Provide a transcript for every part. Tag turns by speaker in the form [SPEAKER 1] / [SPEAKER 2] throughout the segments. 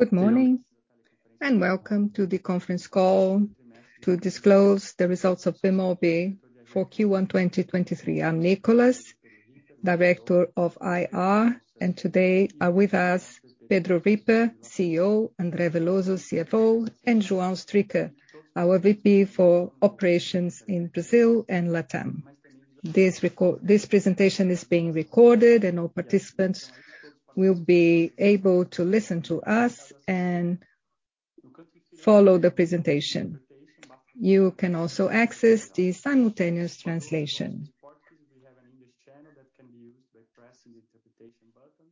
[SPEAKER 1] Good morning, welcome to the conference call to disclose the results of Bemobi for Q1 2023. I'm Nicolas, Director of IR. Today are with us Pedro Ripper, CEO, André Veloso, CFO, and João Stricker, our VP for operations in Brazil and Latam. This presentation is being recorded. All participants will be able to listen to us and follow the presentation. You can also access the simultaneous translation. We have an English channel that can be used by pressing the Interpretation button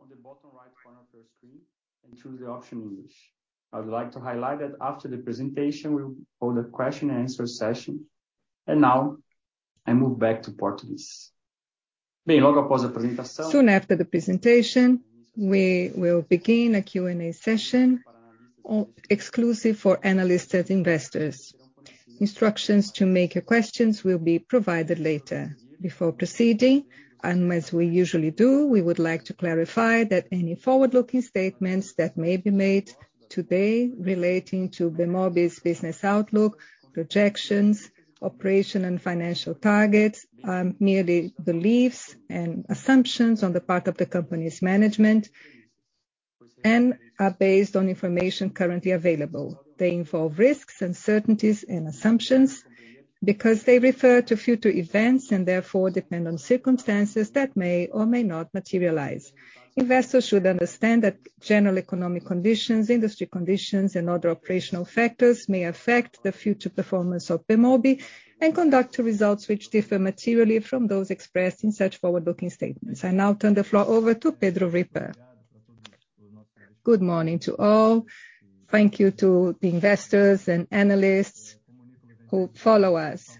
[SPEAKER 1] on the bottom right corner of your screen and choose the option English. I would like to highlight that after the presentation, we will hold a question and answer session. Now I move back to Portuguese. Soon after the presentation, we will begin a Q&A session exclusive for analysts and investors. Instructions to make your questions will be provided later. Before proceeding, and as we usually do, we would like to clarify that any forward-looking statements that may be made today relating to Bemobi's business outlook, projections, operation and financial targets, merely beliefs and assumptions on the part of the company's management, and are based on information currently available. They involve risks, uncertainties and assumptions because they refer to future events and therefore depend on circumstances that may or may not materialize. Investors should understand that general economic conditions, industry conditions, and other operational factors may affect the future performance of Bemobi and conduct to results which differ materially from those expressed in such forward-looking statements. I now turn the floor over to Pedro Ripper.
[SPEAKER 2] Good morning to all. Thank you to the investors and analysts who follow us.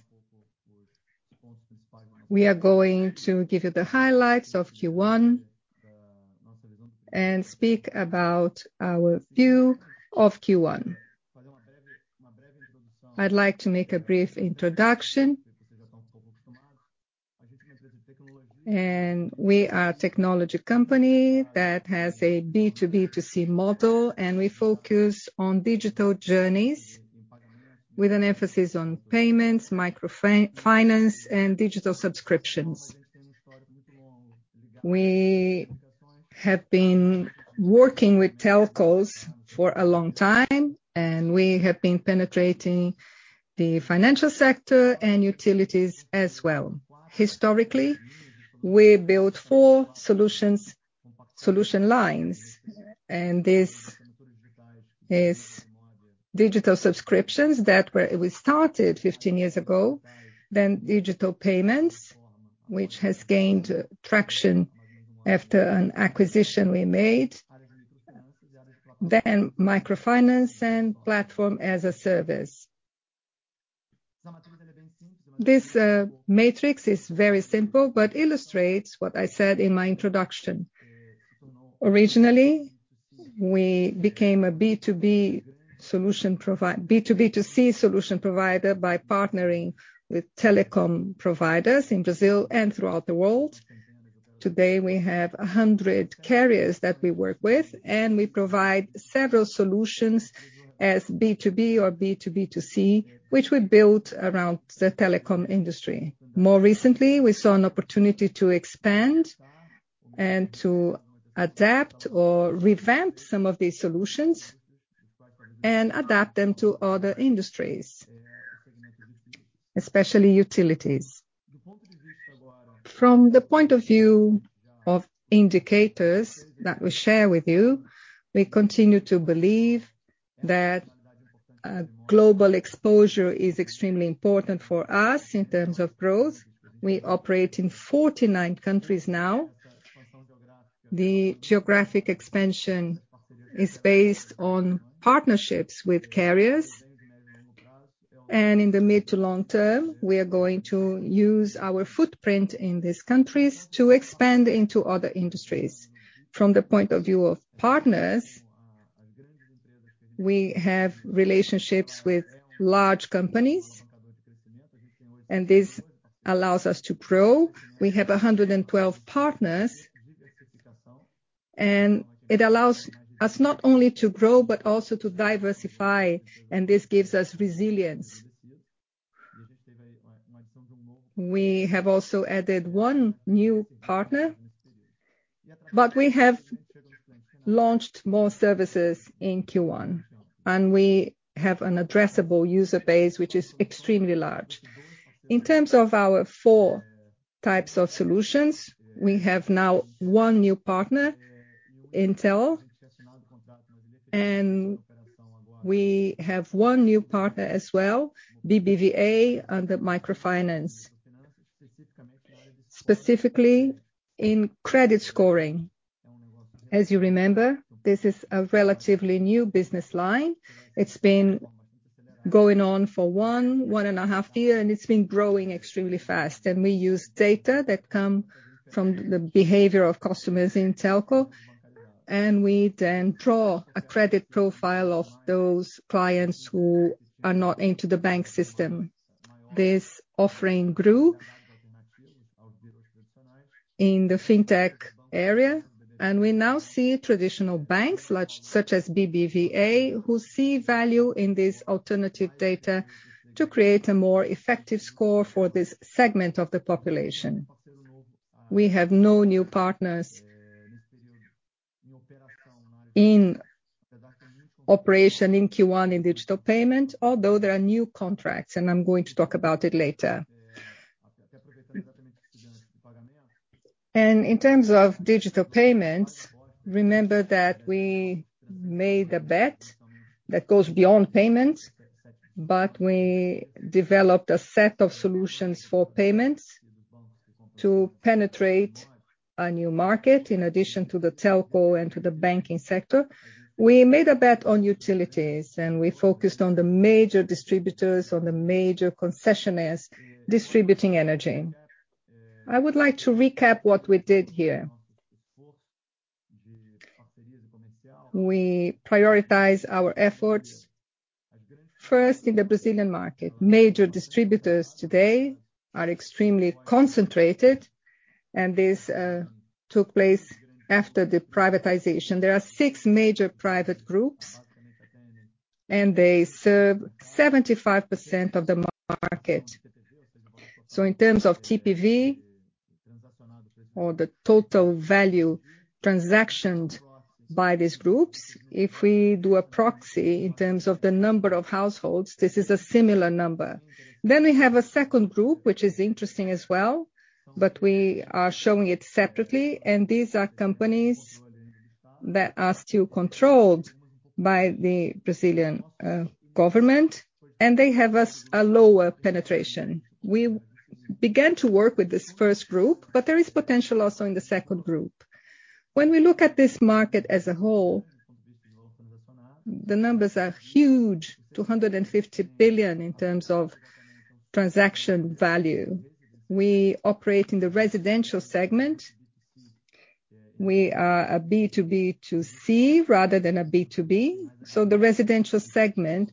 [SPEAKER 2] We are going to give you the highlights of Q1 and speak about our view of Q1. I'd like to make a brief introduction. We are a technology company that has a B2B2C model, and we focus on digital journeys with an emphasis on payments, microfinance and Digital Subscriptions. We have been working with telcos for a long time, and we have been penetrating the financial sector and utilities as well. Historically, we built four solution lines, and this is Digital Subscriptions that were we started 15 years ago, then digital payments, which has gained traction after an acquisition we made. Microfinance and platform-as-a-service. This matrix is very simple, but illustrates what I said in my introduction. Originally, we became a B2B solution B2B2C solution provider by partnering with telecom providers in Brazil and throughout the world. Today, we have 100 carriers that we work with, we provide several solutions as B2B or B2B2C, which we built around the telecom industry. More recently, we saw an opportunity to expand and to adapt or revamp some of these solutions and adapt them to other industries, especially utilities. From the point of view of indicators that we share with you, we continue to believe that global exposure is extremely important for us in terms of growth. We operate in 49 countries now. The geographic expansion is based on partnerships with carriers. In the mid to long term, we are going to use our footprint in these countries to expand into other industries. From the point of view of partners, we have relationships with large companies. This allows us to grow. We have 112 partners. It allows us not only to grow, but also to diversify. This gives us resilience. We have also added one new partner. We have launched more services in Q1. We have an addressable user base, which is extremely large. In terms of our four types of solutions, we have now one new partner, Intel. We have one new partner as well, BBVA, under microfinance. Specifically in credit scoring. As you remember, this is a relatively new business line. It's been going on for one and a half year. It's been growing extremely fast. We use data that come from the behavior of customers in telco, and we then draw a credit profile of those clients who are not into the bank system. This offering grew in the fintech area. We now see traditional banks such as BBVA, who see value in this alternative data to create a more effective score for this segment of the population. We have no new partners in operation in Q1 in Digital payment, although there are new contracts, and I'm going to talk about it later. In terms of Digital payments, remember that we made a bet that goes beyond payments, but we developed a set of solutions for payments to penetrate a new market, in addition to the telco and to the banking sector. We made a bet on utilities, and we focused on the major distributors, on the major concessionaires distributing energy. I would like to recap what we did here. We prioritize our efforts first in the Brazilian market. Major distributors today are extremely concentrated, this took place after the privatization. There are six major private groups, they serve 75% of the market. In terms of TPV, or the total value transacted by these groups, if we do a proxy in terms of the number of households, this is a similar number. We have a second group, which is interesting as well, but we are showing it separately, these are companies that are still controlled by the Brazilian government, and they have a lower penetration. We began to work with this first group, there is potential also in the second group. When we look at this market as a whole, the numbers are huge, 250 billion in terms of transaction value. We operate in the residential segment. We are a B2B2C rather than a B2B, so the residential segment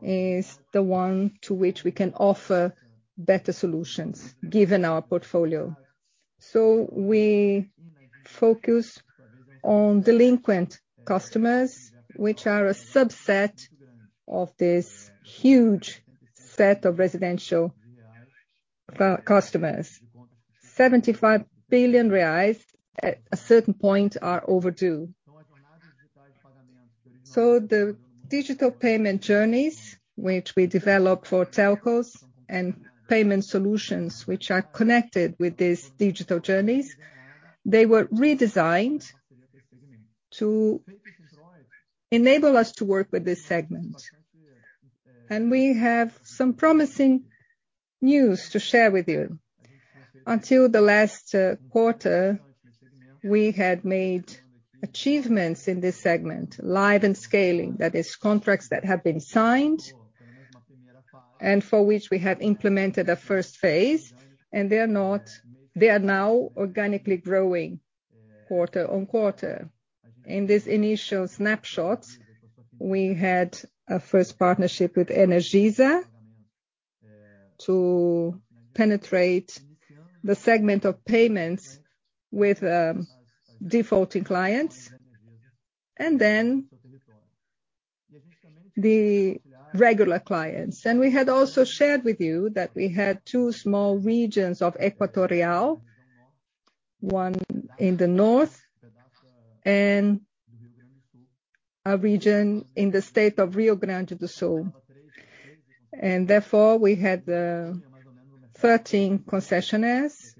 [SPEAKER 2] is the one to which we can offer better solutions given our portfolio. We focus on delinquent customers, which are a subset of this huge set of residential customers. 75 billion reais at a certain point are overdue. The digital payment journeys which we develop for telcos and payment solutions which are connected with these digital journeys, they were redesigned to enable us to work with this segment. We have some promising news to share with you. Until the last quarter, we had made achievements in this segment, live and scaling. That is contracts that have been signed and for which we have implemented a first phase, they are now organically growing quarter on quarter. In this initial snapshot, we had a first partnership with Energisa to penetrate the segment of payments with defaulting clients and then the regular clients. We had also shared with you that we had two small regions of Equatorial, one in the north and a region in the state of Rio Grande do Sul. Therefore, we had 13 concessionaires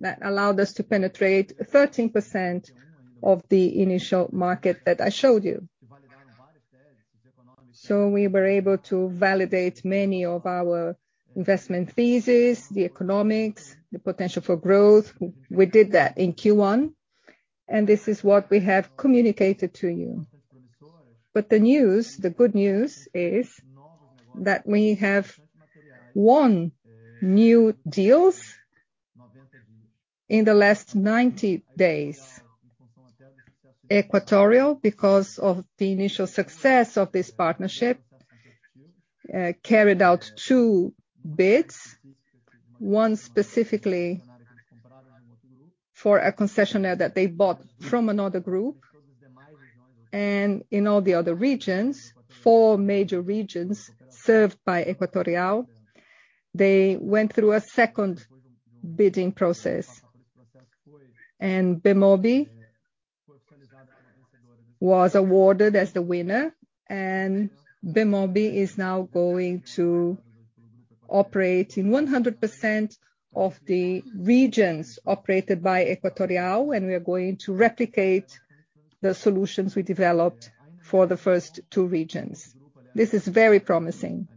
[SPEAKER 2] that allowed us to penetrate 13% of the initial market that I showed you. We were able to validate many of our investment thesis, the economics, the potential for growth. We did that in Q1, and this is what we have communicated to you. The news, the good news is that we have won new deals in the last 90 days. Equatorial, because of the initial success of this partnership, carried out two bids, one specifically for a concessionaire that they bought from another group. In all the other regions, four major regions served by Equatorial, they went through a second bidding process. Bemobi was awarded as the winner, and Bemobi is now going to operate in 100% of the regions operated by Equatorial, and we are going to replicate the solutions we developed for the first two regions. This is very promising.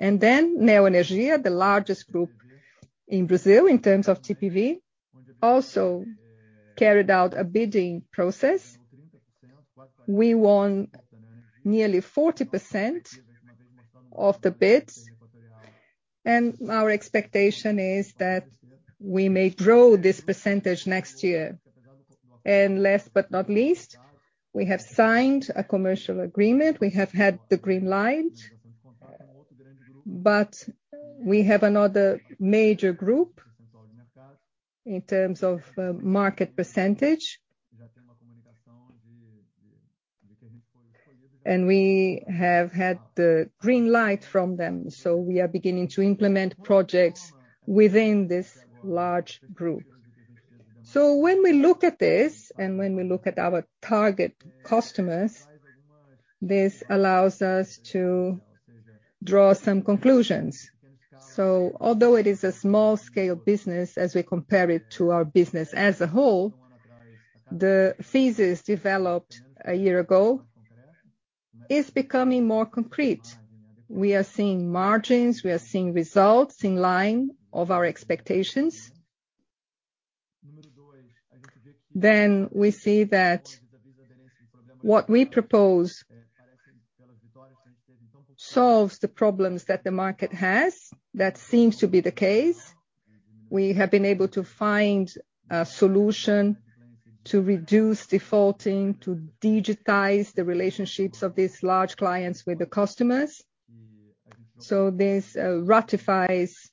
[SPEAKER 2] Neoenergia, the largest group in Brazil in terms of TPV, also carried out a bidding process. We won nearly 40% of the bids, and our expectation is that we may grow this percentage next year. Last but not least, we have signed a commercial agreement. We have had the green light. We have another major group in terms of market percentage. We have had the green light from them, so we are beginning to implement projects within this large group. When we look at this, and when we look at our target customers, this allows us to draw some conclusions. Although it is a small scale business as we compare it to our business as a whole, the thesis developed a year ago is becoming more concrete. We are seeing margins, we are seeing results in line of our expectations. We see that what we propose solves the problems that the market has. That seems to be the case. We have been able to find a solution to reduce defaulting, to digitize the relationships of these large clients with the customers. This ratifies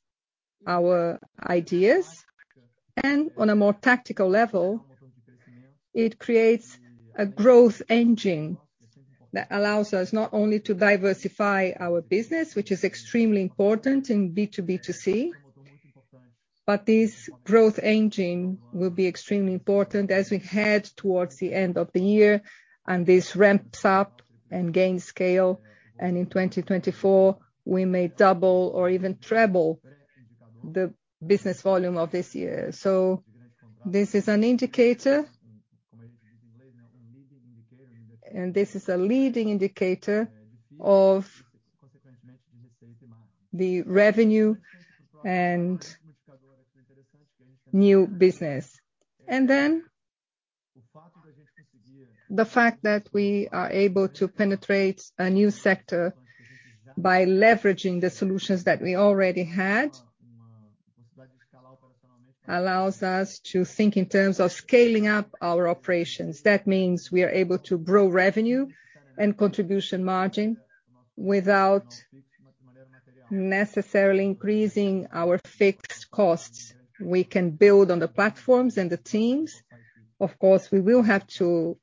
[SPEAKER 2] our ideas, and on a more tactical level, it creates a growth engine that allows us not only to diversify our business, which is extremely important in B2B2C, but this growth engine will be extremely important as we head towards the end of the year, and this ramps up and gains scale. In 2024, we may double or even treble the business volume of this year. This is an indicator. This is a leading indicator of the revenue and new business. The fact that we are able to penetrate a new sector by leveraging the solutions that we already had, allows us to think in terms of scaling up our operations. That means we are able to grow revenue and contribution margin without necessarily increasing our fixed costs. We can build on the platforms and the teams. Of course, we will have to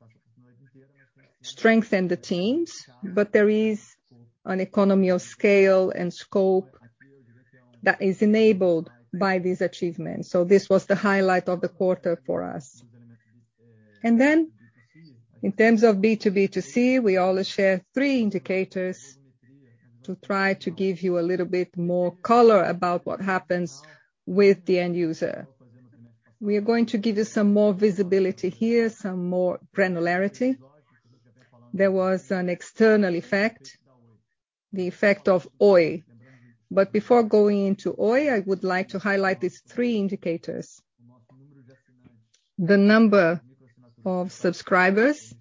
[SPEAKER 2] strengthen the teams, but there is an economy of scale and scope that is enabled by this achievement. This was the highlight of the quarter for us. In terms of B2B2C, we always share three indicators to try to give you a little bit more color about what happens with the end user. We are going to give you some more visibility here, some more granularity. There was an external effect, the effect of Oi. Before going into Oi, I would like to highlight these three indicators. The number of subscribers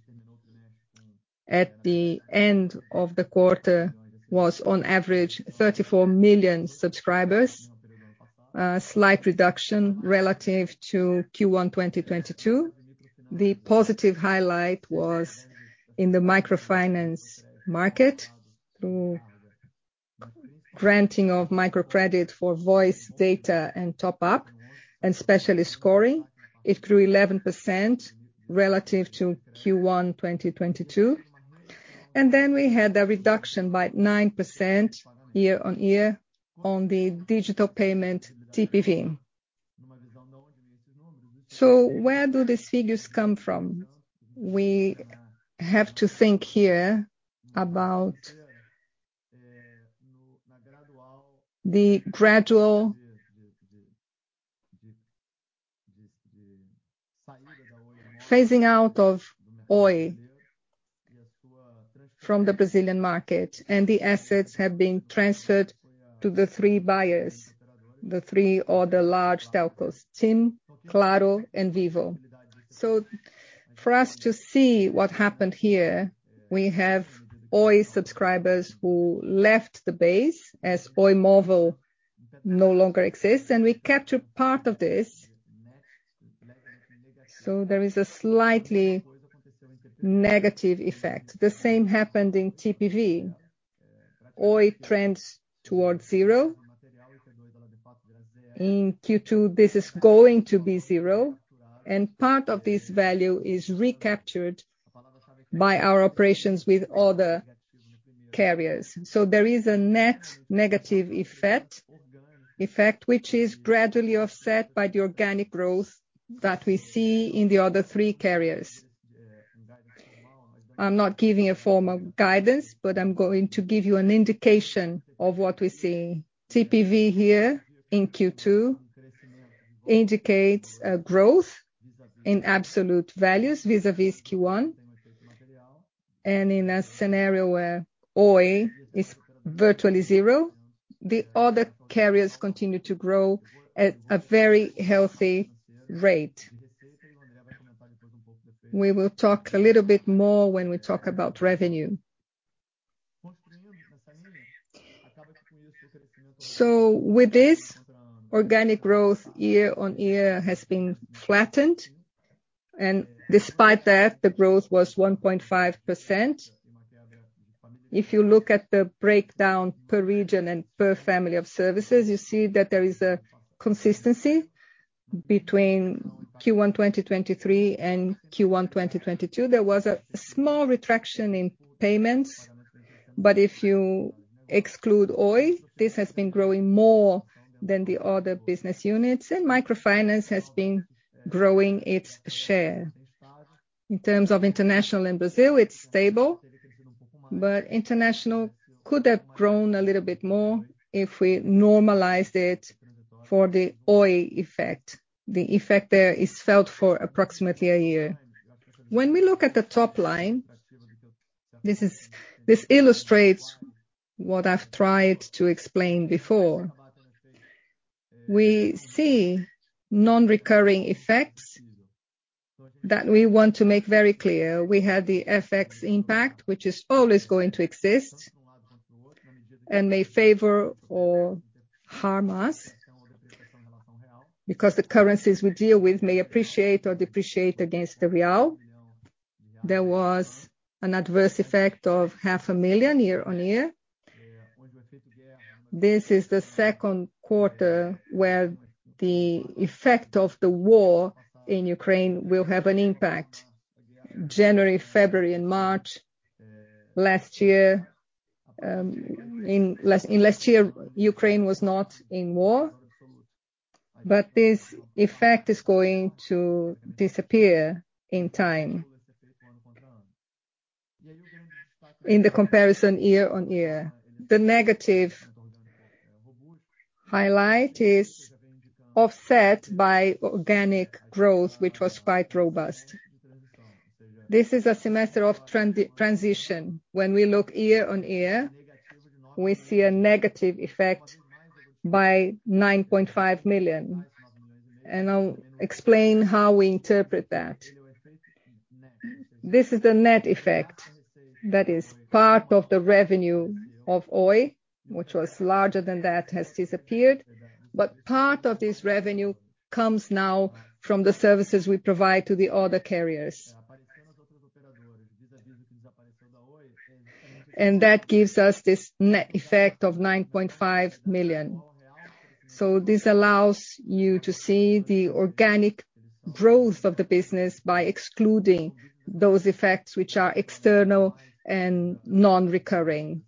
[SPEAKER 2] at the end of the quarter was on average 34 million subscribers. Slight reduction relative to Q1 2022. The positive highlight was in the microfinance market through granting of microcredit for voice, data and top up, and especially scoring. It grew 11% relative to Q1, 2022. We had a reduction by 9% year-on-year on the digital payment TPV. Where do these figures come from? We have to think here about the gradual phasing out of Oi from the Brazilian market, and the assets have been transferred to the three buyers. The three other large telcos, TIM, Claro and Vivo. For us to see what happened here, we have Oi subscribers who left the base as Oi mobile no longer exists, and we captured part of this. There is a slightly negative effect. The same happened in TPV. Oi trends towards zero. In Q2, this is going to be zero. Part of this value is recaptured by our operations with other carriers. There is a net negative effect which is gradually offset by the organic growth that we see in the other three carriers. I'm not giving a formal guidance, but I'm going to give you an indication of what we're seeing. TPV here in Q2 indicates a growth in absolute values vis-à-vis Q1. In a scenario where Oi is virtually zero, the other carriers continue to grow at a very healthy rate. We will talk a little bit more when we talk about revenue. With this, organic growth year-on-year has been flattened. Despite that, the growth was 1.5%. If you look at the breakdown per region and per family of services, you see that there is a consistency between Q1 2023 and Q1 2022. There was a small retraction in payments. If you exclude Oi, this has been growing more than the other business units. microfinance has been growing its share. In terms of international and Brazil, it's stable, but international could have grown a little bit more if we normalized it for the Oi effect. The effect there is felt for approximately a year. When we look at the top line, this illustrates what I've tried to explain before. We see non-recurring effects that we want to make very clear. We have the FX impact, which is always going to exist and may favor or harm us because the currencies we deal with may appreciate or depreciate against the Brazilian real. There was an adverse effect of 500 million year-on-year. This is the second quarter where the effect of the war in Ukraine will have an impact. January, February and March last year, in last year, Ukraine was not in war. This effect is going to disappear in time. In the comparison year-on-year. The negative highlight is offset by organic growth, which was quite robust. This is a semester of transition. When we look year-on-year, we see a negative effect by 9.5 million. I'll explain how we interpret that. This is the net effect that is part of the revenue of Oi, which was larger than that has disappeared. Part of this revenue comes now from the services we provide to the other carriers. That gives us this net effect of 9.5 million. This allows you to see the organic growth of the business by excluding those effects which are external and non-recurring.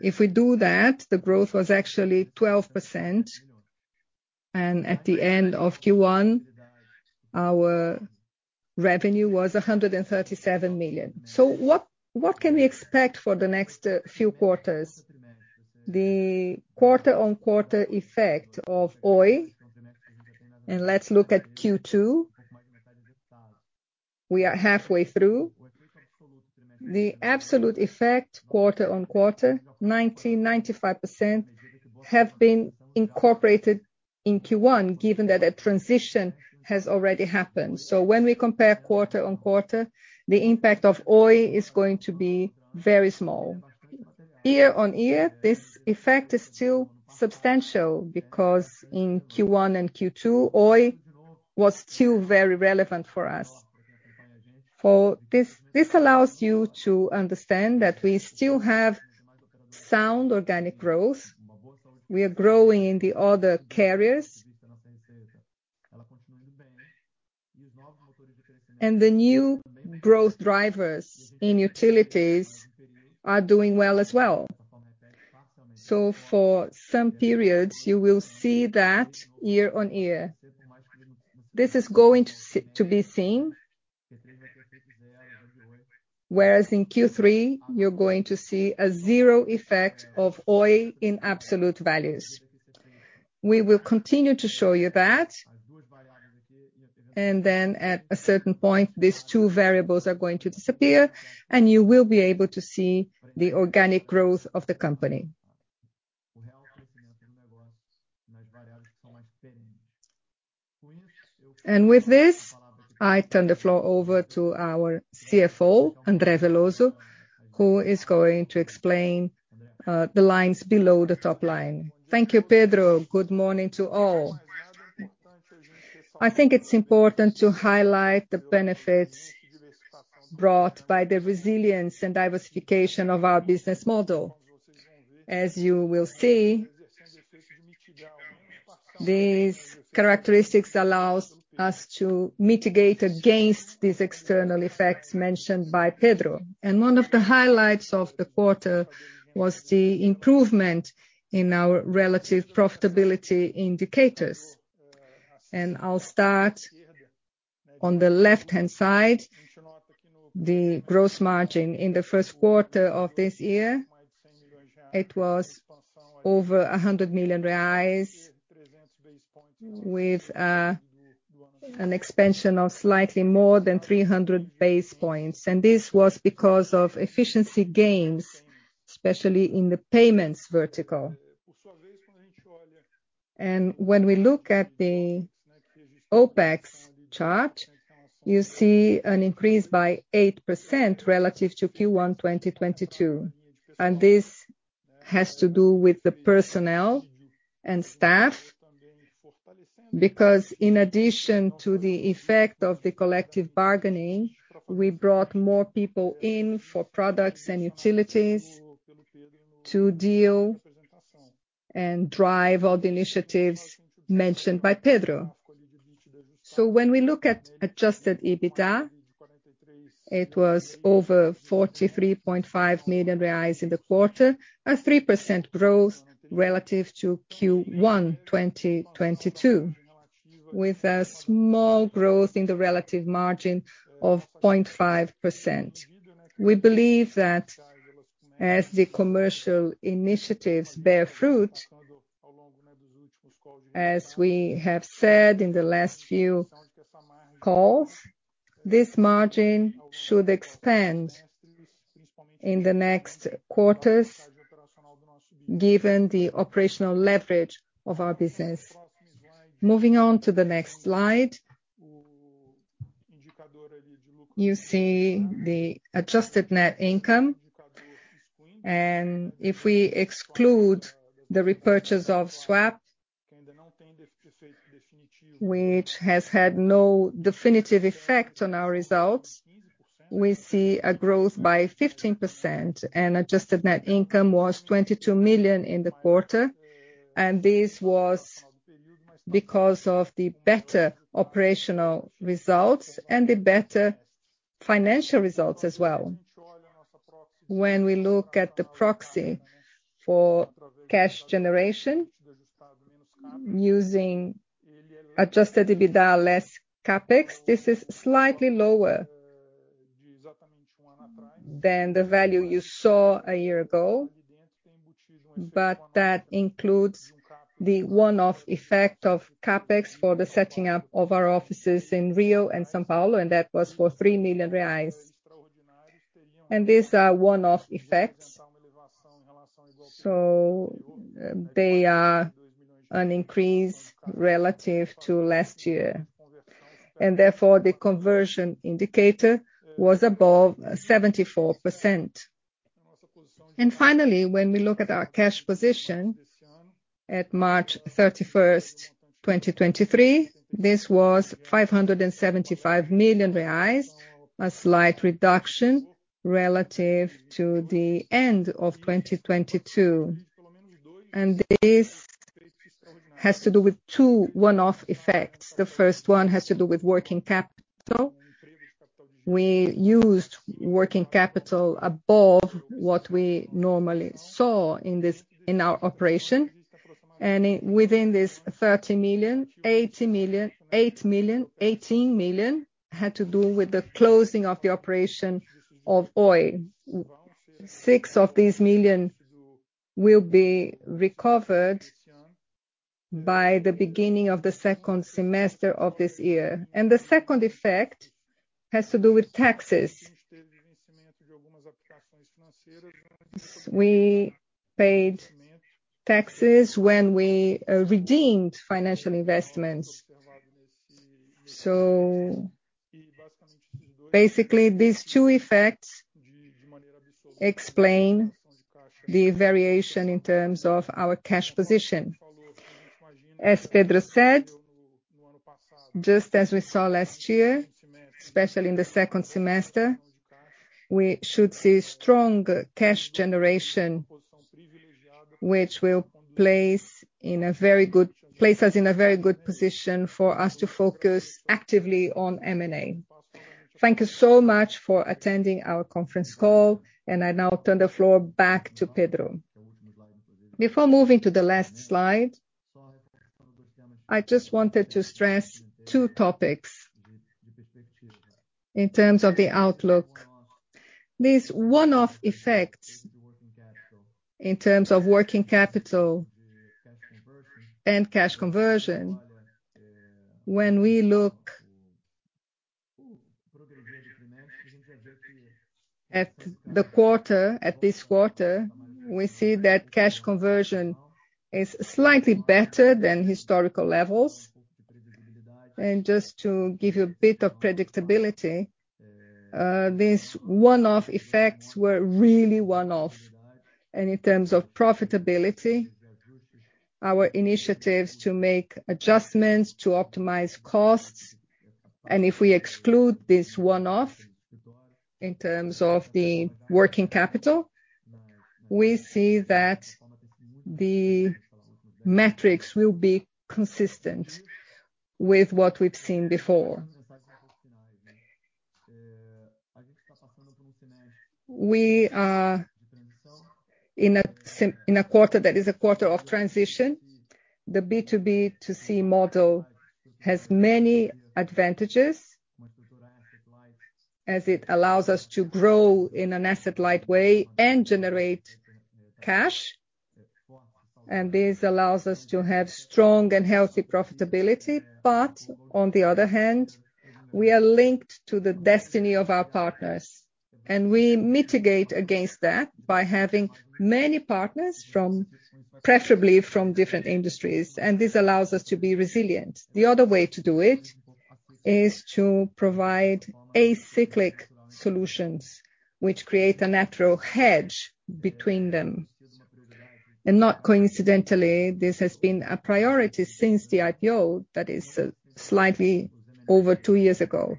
[SPEAKER 2] If we do that, the growth was actually 12%. At the end of Q1, our revenue was 137 million. What can we expect for the next few quarters? The quarter-on-quarter effect of Oi, let's look at Q2. We are halfway through. The absolute effect quarter-on-quarter, 90%-95% have been incorporated in Q1, given that a transition has already happened. When we compare quarter-on-quarter, the impact of Oi is going to be very small. Year-on-year, this effect is still substantial because in Q1 and Q2, Oi was still very relevant for us. This allows you to understand that we still have sound organic growth. We are growing in the other carriers. The new growth drivers in utilities are doing well as well. For some periods you will see that year-on-year. This is going to be seen. In Q3 you're going to see a 0 effect of Oi in absolute values. We will continue to show you that. At a certain point, these two variables are going to disappear and you will be able to see the organic growth of the company. With this, I turn the floor over to our CFO, André Veloso, who is going to explain the lines below the top line.
[SPEAKER 3] Thank you, Pedro. Good morning to all. I think it's important to highlight the benefits brought by the resilience and diversification of our business model. As you will see, these characteristics allows us to mitigate against these external effects mentioned by Pedro. One of the highlights of the quarter was the improvement in our relative profitability indicators. I'll start on the left-hand side. The gross margin in the first quarter of this year, it was over 100 million reais with an expansion of slightly more than 300 basis points. This was because of efficiency gains, especially in the payments vertical. When we look at the OpEX chart, you see an increase by 8% relative to Q1 2022. This has to do with the personnel and staff. Because in addition to the effect of the collective bargaining, we brought more people in for products and utilities to deal and drive all the initiatives mentioned by Pedro. When we look at adjusted EBITDA, it was over 43.5 million reais in the quarter. A 3% growth relative to Q1 2022. With a small growth in the relative margin of 0.5%. We believe that as the commercial initiatives bear fruit, as we have said in the last few calls, this margin should expand in the next quarters given the operational leverage of our business. Moving on to the next slide. You see the adjusted net income. If we exclude the repurchase of swap, which has had no definitive effect on our results, we see a growth by 15%, and adjusted net income was 22 million in the quarter. This was because of the better operational results and the better financial results as well. When we look at the proxy for cash generation using adjusted EBITDA less CapEx, this is slightly lower than the value you saw a year ago. That includes the one-off effect of CapEx for the setting up of our offices in Rio and São Paulo, and that was for 3 million reais. These are one-off effects, so they are an increase relative to last year. Therefore, the conversion indicator was above 74%. Finally, when we look at our cash position at March 31st, 2023, this was 575 million reais. A slight reduction relative to the end of 2022. This has to do with two one-off effects. The first one has to do with working capital. We used working capital above what we normally saw in our operation. Within this 30 million, 18 million had to do with the closing of the operation of Oi. 6 million will be recovered by the beginning of the second semester of this year. The second effect has to do with taxes. We paid taxes when we redeemed financial investments. Basically, these two effects explain the variation in terms of our cash position. As Pedro said, just as we saw last year, especially in the second semester, we should see strong cash generation, which will place us in a very good position for us to focus actively on M&A. Thank you so much for attending our conference call, and I now turn the floor back to Pedro. Before moving to the last slide, I just wanted to stress two topics in terms of the outlook. These one-off effects in terms of working capital and cash conversion, when we look at this quarter, we see that cash conversion is slightly better than historical levels. Just to give you a bit of predictability, these one-off effects were really one-off. In terms of profitability, our initiatives to make adjustments to optimize costs, and if we exclude this one-off in terms of the working capital, we see that the metrics will be consistent with what we've seen before. We are in a quarter that is a quarter of transition. The B2B2C model has many advantages as it allows us to grow in an asset-light way and generate cash. This allows us to have strong and healthy profitability. On the other hand, we are linked to the destiny of our partners. We mitigate against that by having many partners preferably from different industries, and this allows us to be resilient. The other way to do it is to provide a cyclic solutions which create a natural hedge between them. Not coincidentally, this has been a priority since the IPO, that is, slightly over two years ago.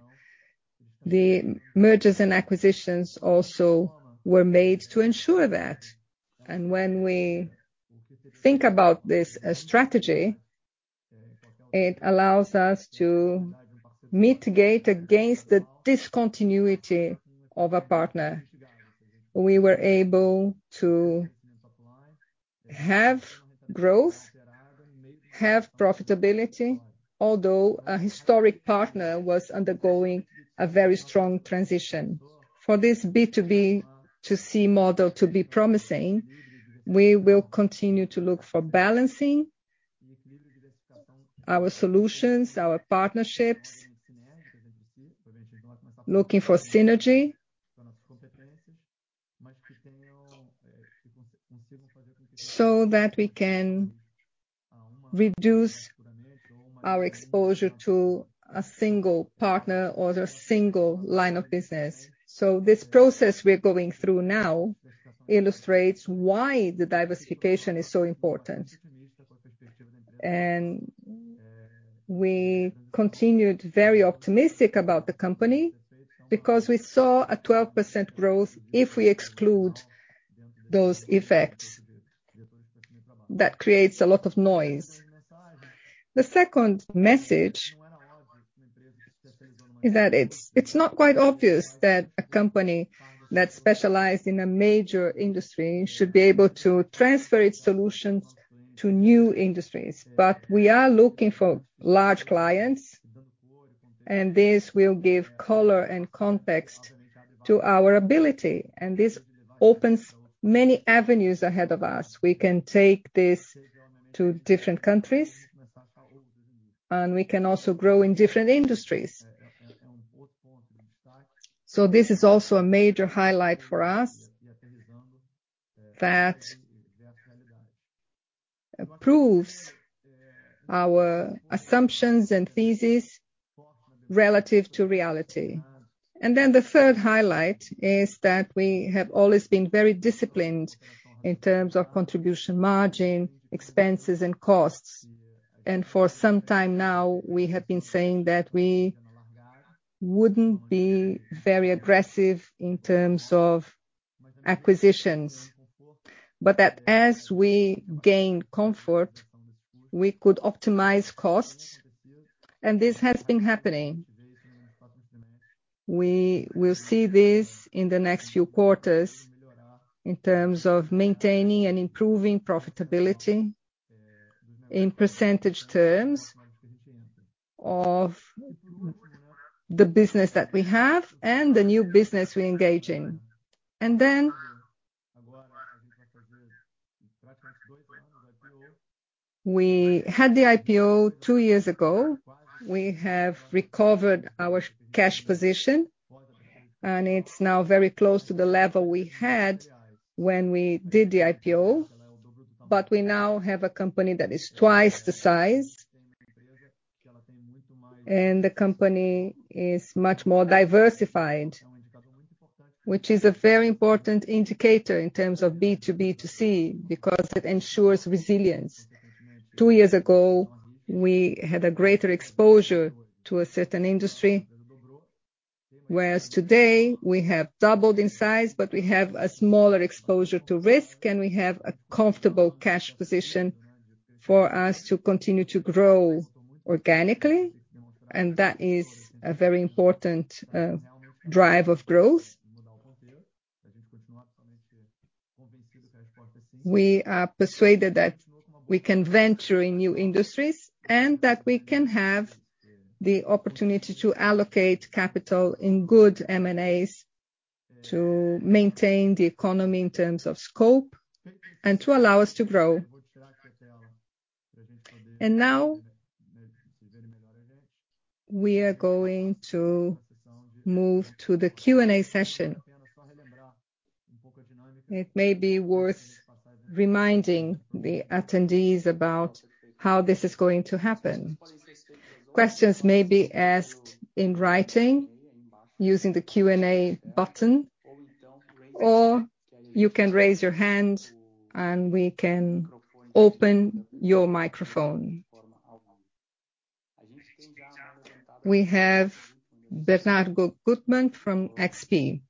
[SPEAKER 3] The mergers and acquisitions also were made to ensure that. When we think about this as strategy, it allows us to mitigate against the discontinuity of a partner. We were able to have growth, have profitability, although a historic partner was undergoing a very strong transition. For this B2B2C model to be promising, we will continue to look for balancing our solutions, our partnerships, looking for synergy. That we can reduce our exposure to a single partner or a single line of business. This process we're going through now illustrates why the diversification is so important. We continued very optimistic about the company because we saw a 12% growth if we exclude those effects. That creates a lot of noise. The second message is that it's not quite obvious that a company that specialized in a major industry should be able to transfer its solutions to new industries. We are looking for large clients, and this will give color and context to our ability, and this opens many avenues ahead of us. We can take this to different countries, and we can also grow in different industries. This is also a major highlight for us that proves our assumptions and thesis relative to reality. The third highlight is that we have always been very disciplined in terms of contribution margin, expenses and costs. For some time now, we have been saying that we wouldn't be very aggressive in terms of acquisitions. That as we gain comfort, we could optimize costs, and this has been happening. We will see this in the next few quarters in terms of maintaining and improving profitability in percentage terms of the business that we have and the new business we engage in. We had the IPO two years ago. We have recovered our cash position, and it's now very close to the level we had when we did the IPO. We now have a company that is twice the size, and the company is much more diversified, which is a very important indicator in terms of B2B2C because it ensures resilience. Two years ago, we had a greater exposure to a certain industry, whereas today we have doubled in size, but we have a smaller exposure to risk, and we have a comfortable cash position for us to continue to grow organically. That is a very important drive of growth. We are persuaded that we can venture in new industries, that we can have the opportunity to allocate capital in good M&As to maintain the economy in terms of scope and to allow us to grow. Now we are going to move to the Q&A session. It may be worth reminding the attendees about how this is going to happen. Questions may be asked in writing using the Q&A button, you can raise your hand and we can open your microphone. We have Bernardo Guttmann from XP.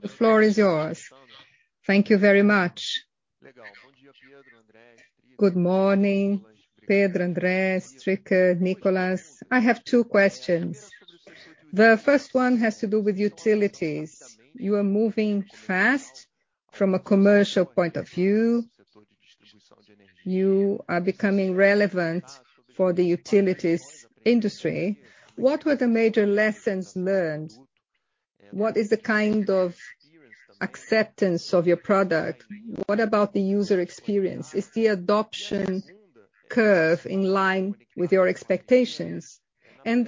[SPEAKER 3] The floor is yours. Thank you very much. Good morning, Pedro, André, Strickerr, Nicholas. I have two questions. The first one has to do with utilities. You are moving fast from a commercial point of view. You are becoming relevant for the utilities industry. What were the major lessons learned? What is the kind of acceptance of your product? What about the user experience? Is the adoption curve in line with your expectations? In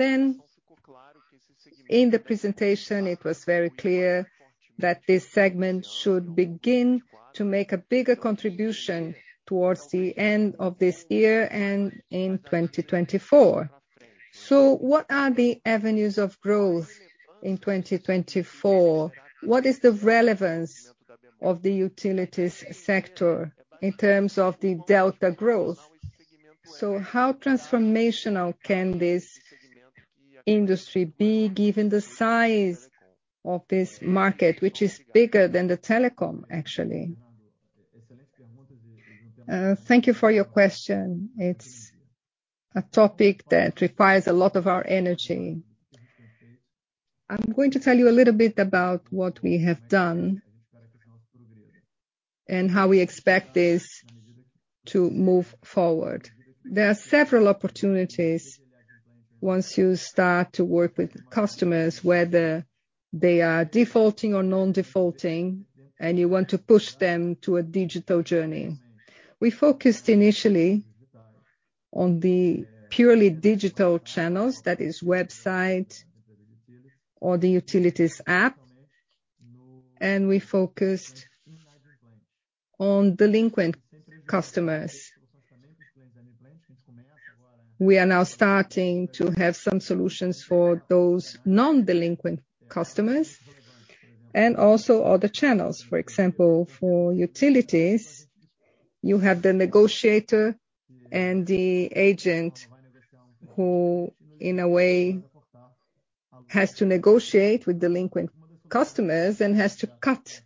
[SPEAKER 3] the presentation, it was very clear that this segment should begin to make a bigger contribution towards the end of this year and in 2024. What are the avenues of growth in 2024? What is the relevance of the utilities sector in terms of the delta growth? How transformational can this industry be given the size of this market, which is bigger than the telecom, actually? Thank you for your question. It's a topic that requires a lot of our energy. I'm going to tell you a little bit about what we have done and how we expect this to move forward. There are several opportunities once you start to work with customers, whether they are defaulting or non-defaulting, and you want to push them to a digital journey. We focused initially on the purely digital channels, that is, website or the utilities app. We focused on delinquent customers. We are now starting to have some solutions for those non-delinquent customers and also other channels. For example, for utilities, you have the negotiator and the agent who, in a way, has to negotiate with delinquent customers and has to cut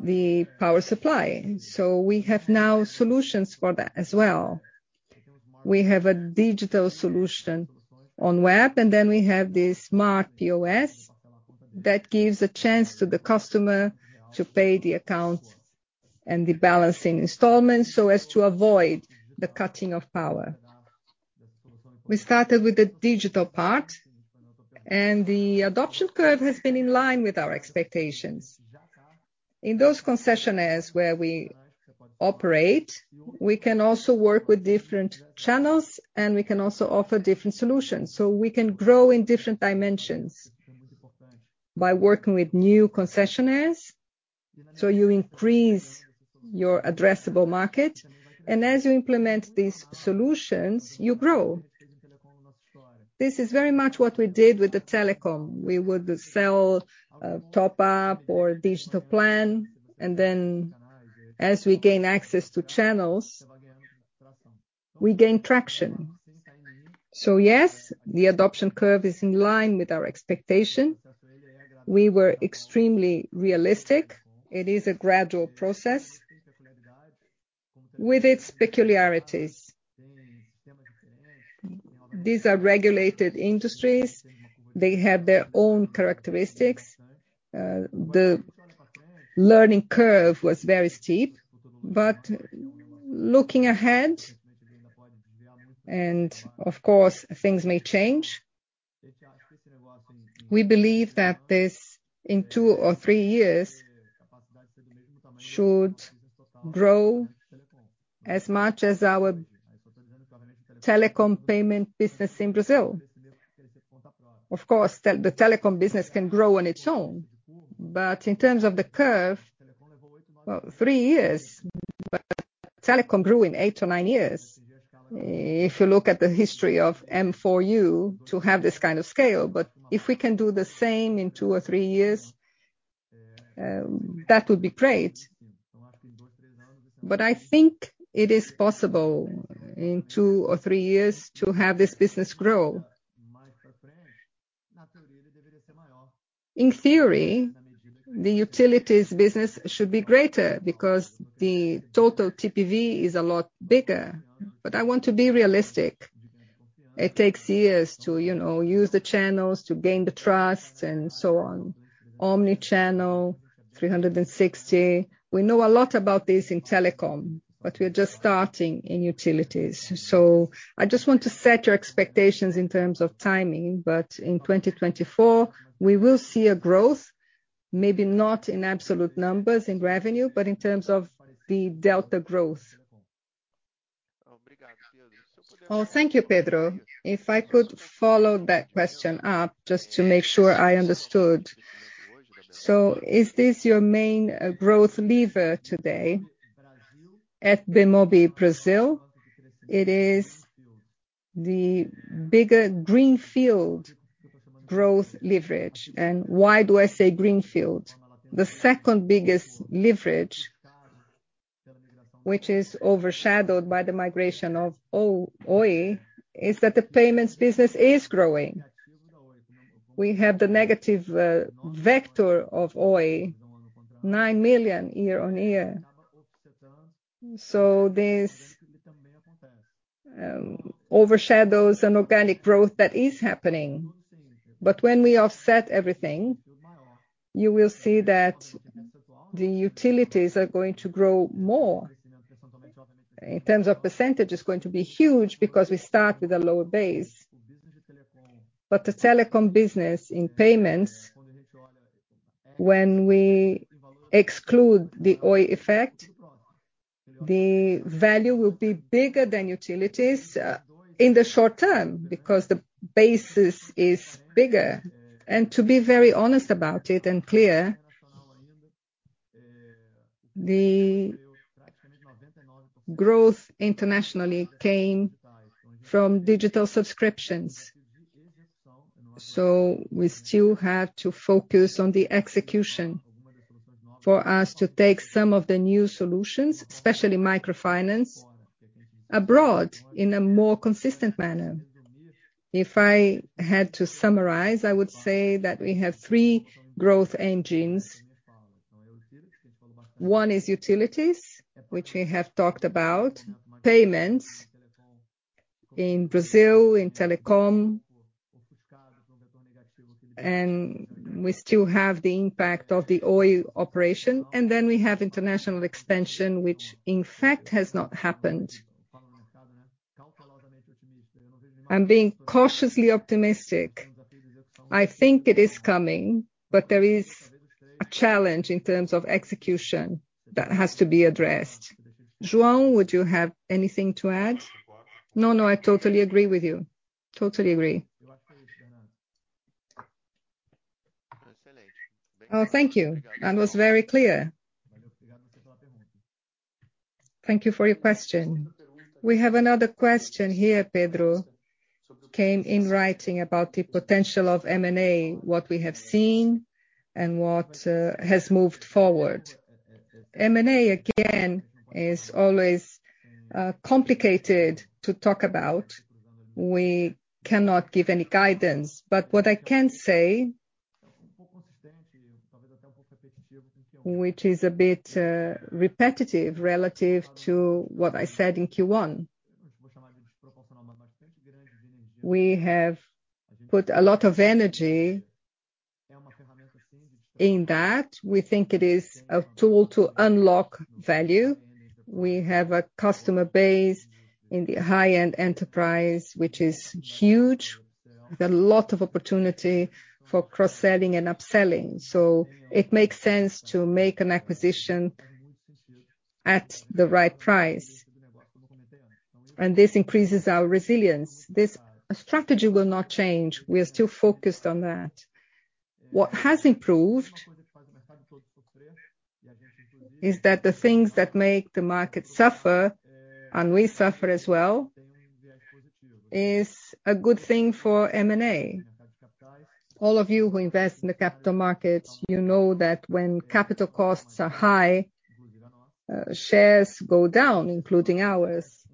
[SPEAKER 3] the power supply. We have now solutions for that as well. We have a digital solution on web, and then we have the smart POS that gives a chance to the customer to pay the account and the balance in installments, so as to avoid the cutting of power. We started with the digital part, and the adoption curve has been in line with our expectations. In those concessionaires where we operate, we can also work with different channels, and we can also offer different solutions. We can grow in different dimensions by working with new concessionaires, so you increase your addressable market. As you implement these solutions, you grow. This is very much what we did with the telecom. We would sell a top up or digital plan. And then as we gain access to channels, we gain traction. Yes, the adoption curve is in line with our expectation. We were extremely realistic. It is a gradual process with its peculiarities. These are regulated industries. They have their own characteristics. The learning curve was very steep. Looking ahead, and of course things may change, we believe that this, in two or three years, should grow as much as our telecom payment business in Brazil. Of course, the telecom business can grow on its own. In terms of the curve, three years. Telecom grew in eight or nine years, if you look at the history of M4U to have this kind of scale. If we can do the same in two or three years, that would be great. I think it is possible in two or three years to have this business grow. In theory, the utilities business should be greater because the total TPV is a lot bigger. I want to be realistic. It takes years to, you know, use the channels to gain the trust and so on. Omnichannel 360. We know a lot about this in telecom, but we're just starting in utilities. I just want to set your expectations in terms of timing. In 2024, we will see a growth, maybe not in absolute numbers in revenue, but in terms of the delta growth. Thank you, Pedro. If I could follow that question up, just to make sure I understood. Is this your main growth lever today at Bemobi Brazil? It is the bigger greenfield growth leverage. Why do I say greenfield? The second biggest leverage, which is overshadowed by the migration of Oi, is that the payments business is growing. We have the negative vector of Oi, BRL 9 million year-over-year. This overshadows an organic growth that is happening. When we offset everything, you will see that the utilities are going to grow more. In terms of percentage, it's going to be huge because we start with a lower base. The telecom business in payments. When we exclude the Oi effect, the value will be bigger than utilities in the short term because the basis is bigger. To be very honest about it and clear, the growth internationally came from Digital Subscriptions. We still have to focus on the execution for us to take some of the new solutions, especially microfinance abroad in a more consistent manner. If I had to summarize, I would say that we have three growth engines. One is utilities, which we have talked about, payments in Brazil, in telecom. We still have the impact of the Oi operation, we have international expansion, which in fact has not happened. I'm being cautiously optimistic. I think it is coming, there is a challenge in terms of execution that has to be addressed. João, would you have anything to add?
[SPEAKER 4] No, I totally agree with you. Totally agree. Oh, thank you. That was very clear. Thank you for your question. We have another question here, Pedro.
[SPEAKER 3] Came in writing about the potential of M&A, what we have seen and what has moved forward. M&A, again, is always complicated to talk about. We cannot give any guidance. What I can say, which is a bit repetitive relative to what I said in Q1. We have put a lot of energy in that. We think it is a tool to unlock value. We have a customer base in the high-end enterprise, which is huge. We've got a lot of opportunity for cross-selling and upselling, so it makes sense to make an acquisition at the right price. This increases our resilience. This strategy will not change. We are still focused on that. What has improved is that the things that make the market suffer, and we suffer as well, is a good thing for M&A. All of you who invest in the capital markets, you know that when capital costs are high, shares go down, including ours.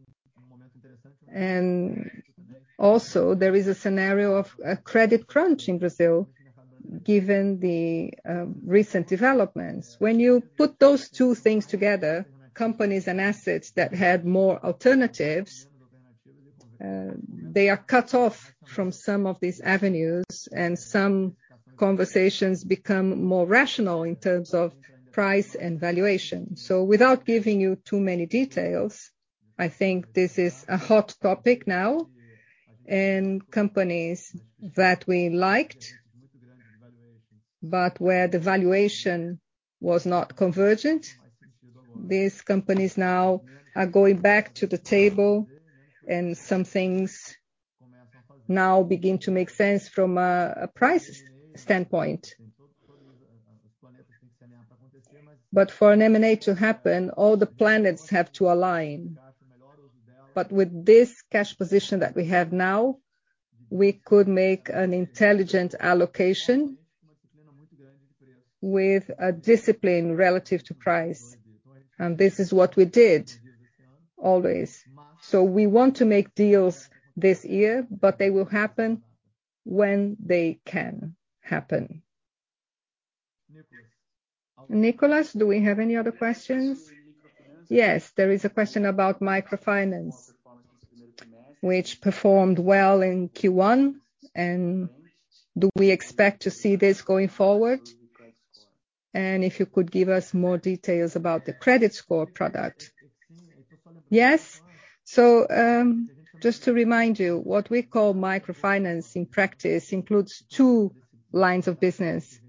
[SPEAKER 3] Also, there is a scenario of a credit crunch in Brazil given the recent developments. When you put those two things together, companies and assets that had more alternatives, they are cut off from some of these avenues, and some conversations become more rational in terms of price and valuation. Without giving you too many details, I think this is a hot topic now. Companies that we liked, but where the valuation was not convergent, these companies now are going back to the table and some things now begin to make sense from a price standpoint. For an M&A to happen, all the planets have to align. With this cash position that we have now, we could make an intelligent allocation with a discipline relative to price. This is what we did always. We want to make deals this year, but they will happen when they can happen. Nicolas, do we have any other questions?
[SPEAKER 1] There is a question about microfinance, which performed well in Q1. Do we expect to see this going forward? If you could give us more details about the credit score product.
[SPEAKER 3] Just to remind you, what we call microfinance in practice includes two lines of business.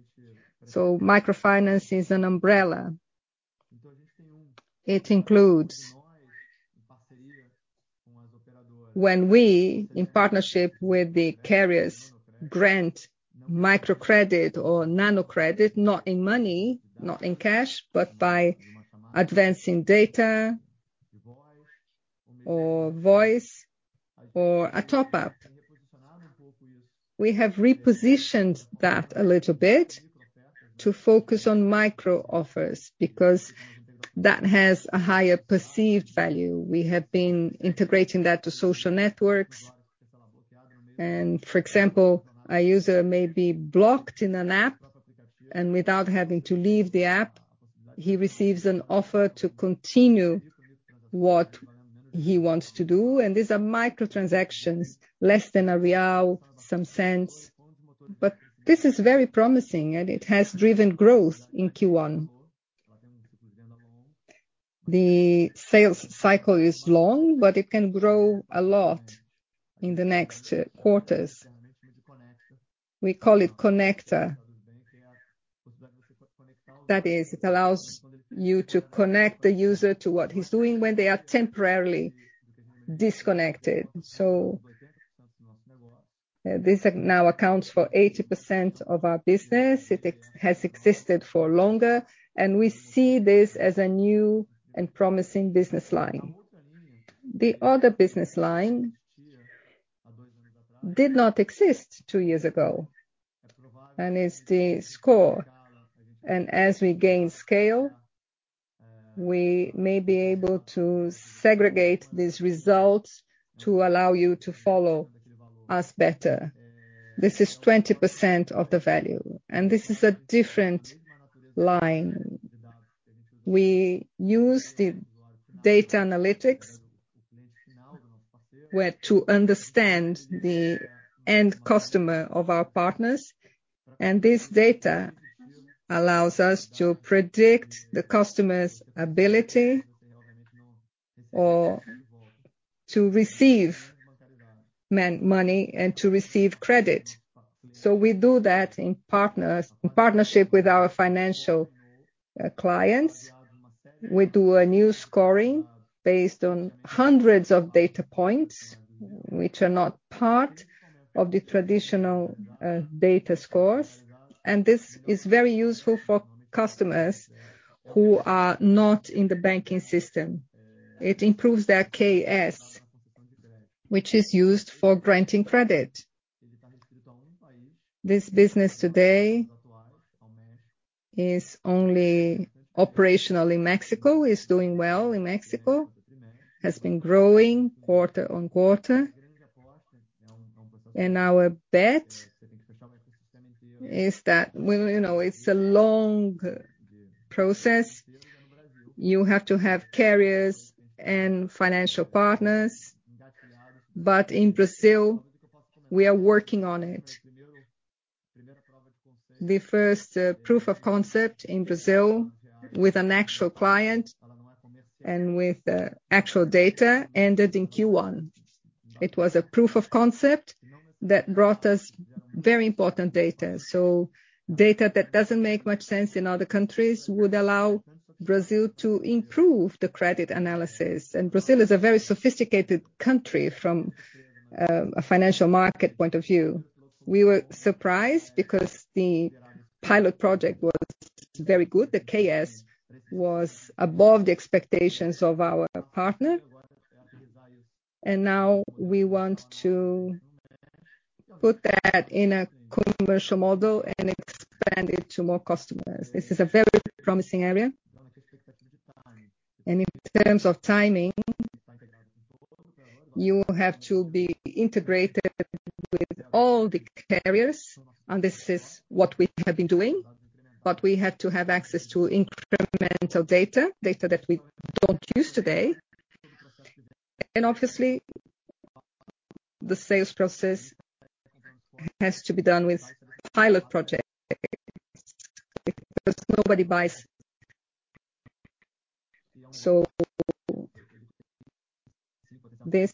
[SPEAKER 3] Microfinance is an umbrella. It includes when we, in partnership with the carriers, grant microcredit or nanocredit, not in money, not in cash, but by advancing data or voice or a top-up. We have repositioned that a little bit to focus on micro-offers because that has a higher perceived value. For example, a user may be blocked in an app, and without having to leave the app, he receives an offer to continue what he wants to do. These are micro-transactions, less than BRL 1, some cents. This is very promising, and it has driven growth in Q1. The sales cycle is long, but it can grow a lot in the next quarters. We call it connector. That is, it allows you to connect the user to what he's doing when they are temporarily disconnected. This now accounts for 80% of our business. It has existed for longer, and we see this as a new and promising business line. The other business line did not exist two years ago, and is the credit scoring. As we gain scale, we may be able to segregate these results to allow you to follow us better. This is 20% of the value, and this is a different line. We use the data analytics where to understand the end customer of our partners, and this data allows us to predict the customer's ability or to receive money and to receive credit. We do that in partnership with our financial clients. We do a new credit scoring based on hundreds of data points which are not part of the traditional data scores. This is very useful for customers who are not in the banking system. It improves their KS, which is used for granting credit. This business today is only operational in Mexico. It's doing well in Mexico, has been growing quarter on quarter. Our bet is that You know, it's a long process. You have to have carriers and financial partners. In Brazil, we are working on it. The first proof of concept in Brazil with an actual client and with actual data ended in Q1. It was a proof of concept that brought us very important data. Data that doesn't make much sense in other countries would allow Brazil to improve the credit analysis. Brazil is a very sophisticated country from a financial market point of view. We were surprised because the pilot project was very good. The KS was above the expectations of our partner. Now we want to put that in a commercial model and expand it to more customers. This is a very promising area. In terms of timing, you have to be integrated with all the carriers, and this is what we have been doing. We have to have access to incremental data that we don't use today. Obviously, the sales process has to be done with pilot projects because nobody buys. This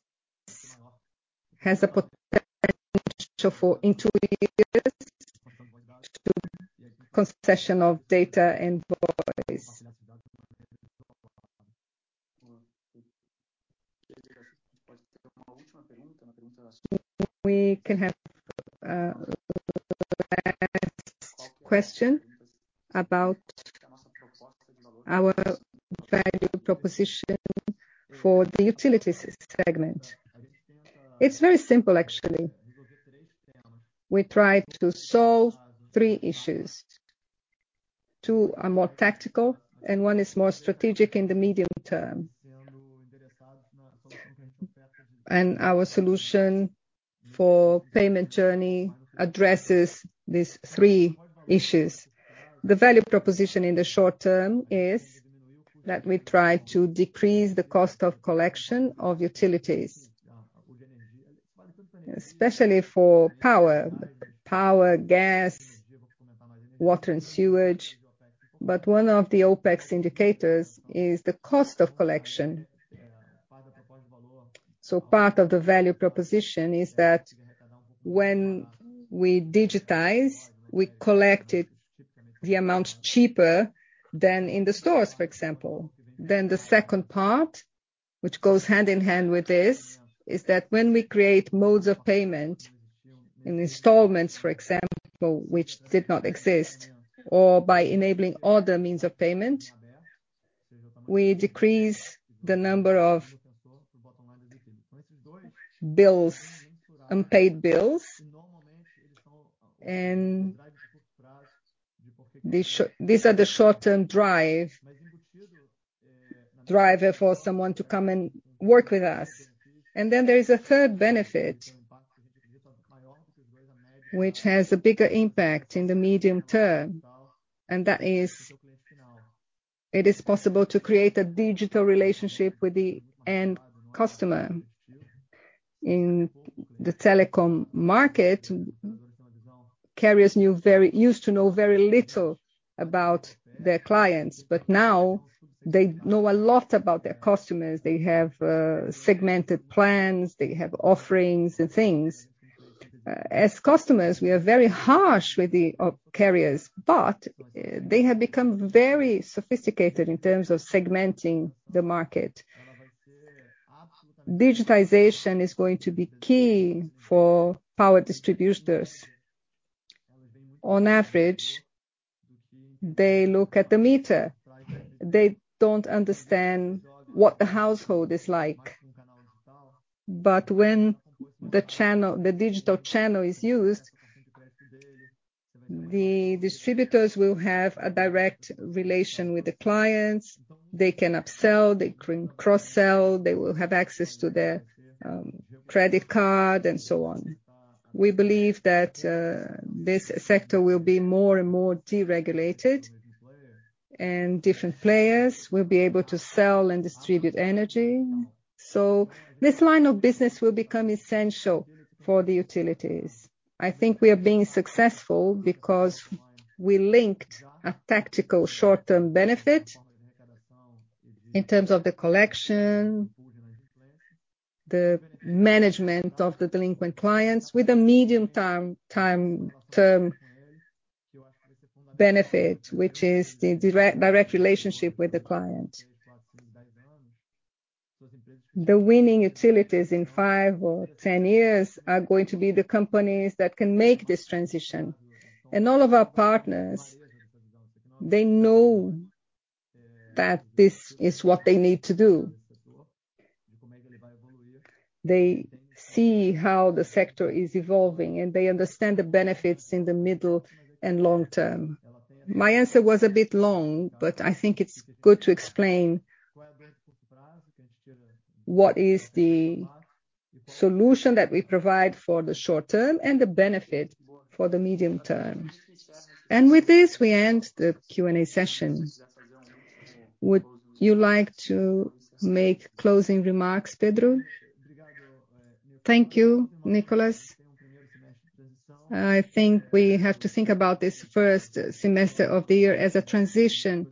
[SPEAKER 3] has the potential for in two years to concession of data and voice. We can have last question about our value proposition for the utilities segment. It's very simple, actually. We try to solve three issues. Two are more tactical and one is more strategic in the medium term. Our solution for payment journey addresses these three issues. The value proposition in the short term is that we try to decrease the cost of collection of utilities, especially for power, gas, water, and sewage. One of the OpEX indicators is the cost of collection. Part of the value proposition is that when we digitize, we collect it the amount cheaper than in the stores, for example. The second part, which goes hand in hand with this, is that when we create modes of payment in installments, for example, which did not exist, or by enabling other means of payment, we decrease the number of unpaid bills. These are the short-term driver for someone to come and work with us. There is a third benefit which has a bigger impact in the medium term, and that is it is possible to create a digital relationship with the end customer. In the telecom market, carriers used to know very little about their clients, but now they know a lot about their customers. They have segmented plans, they have offerings and things. As customers, we are very harsh with the carriers, they have become very sophisticated in terms of segmenting the market. Digitization is going to be key for power distributors. On average, they look at the meter. They don't understand what the household is like. When the digital channel is used, the distributors will have a direct relation with the clients. They can upsell, they can cross-sell, they will have access to their credit card, and so on. We believe that this sector will be more and more deregulated, and different players will be able to sell and distribute energy. This line of business will become essential for the utilities. I think we are being successful because we linked a tactical short-term benefit in terms of the collection, the management of the delinquent clients, with a medium-term benefit, which is the direct relationship with the client. The winning utilities in five or 10 years are going to be the companies that can make this transition. All of our partners, they know that this is what they need to do. They see how the sector is evolving, and they understand the benefits in the middle and long term. My answer was a bit long, I think it's good to explain what is the solution that we provide for the short term and the benefit for the medium term.
[SPEAKER 1] With this, we end the Q&A session. Would you like to make closing remarks, Pedro?
[SPEAKER 2] Thank you, Nicholas. I think we have to think about this first semester of the year as a transition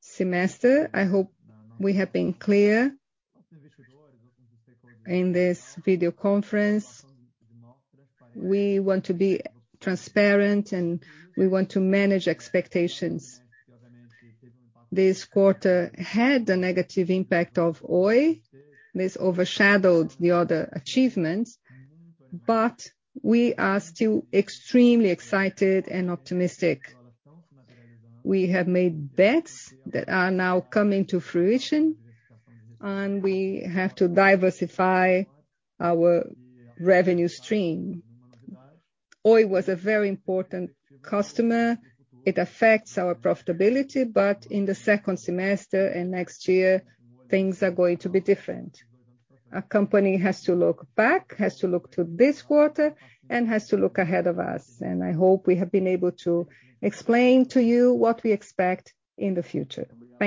[SPEAKER 2] semester. I hope we have been clear in this video conference. We want to be transparent and we want to manage expectations. This quarter had a negative impact of Oi, this overshadowed the other achievements, but we are still extremely excited and optimistic. We have made bets that are now coming to fruition, and we have to diversify our revenue stream. Oi was a very important customer. It affects our profitability, but in the second semester and next year, things are going to be different. A company has to look back, has to look to this quarter, and has to look ahead of us, and I hope we have been able to explain to you what we expect in the future. Thank you.